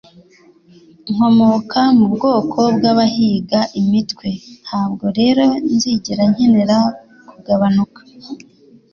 Nkomoka mu bwoko bwabahiga imitwe, ntabwo rero nzigera nkenera kugabanuka.